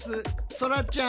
そらちゃん。